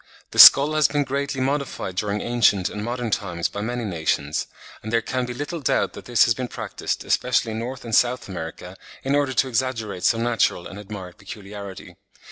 The skull has been greatly modified during ancient and modern times by many nations; and there can be little doubt that this has been practised, especially in N. and S. America, in order to exaggerate some natural and admired peculiarity.